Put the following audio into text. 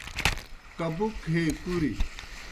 کبُک ہے کُریْ